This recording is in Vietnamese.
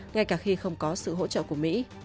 ngay cả khi không có sự hỗ trợ của mỹ